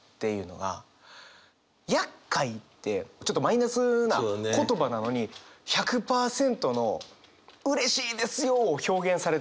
「厄介」ってちょっとマイナスな言葉なのに１００％のうれしいですよを表現されてる感覚なんですよね。